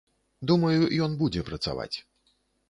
Думаю, ён будзе працаваць.